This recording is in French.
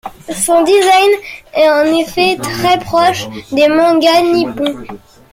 Son design est en effet très proche des mangas nippons.